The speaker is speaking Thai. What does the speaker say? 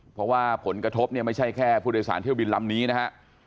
เพราะว่าผลกระทบเนี่ยไม่ใช่แค่ผู้โดยสารเที่ยวบินลำนี้นะฮะ